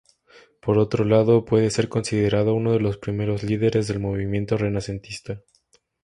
Por otro lado, puede ser considerado uno de los primeros líderes del movimiento renacentista.